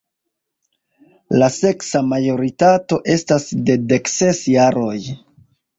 La seksa majoritato estas de dekses jaroj.